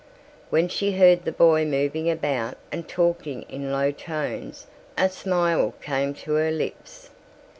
When she heard the boy moving about and talking in low tones a smile came to her lips.